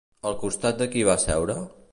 Al costat de qui va seure?